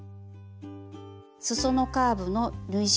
すそのカーブの縫い代